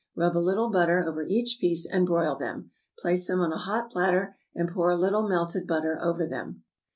Rub a little butter over each piece, and broil them. Place them on a hot platter, and pour a little melted butter over them.